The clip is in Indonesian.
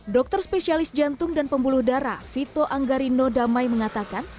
dokter spesialis jantung dan pembuluh darah vito anggarino damai mengatakan